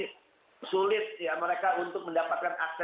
haknya dan resiko kecelakaan yang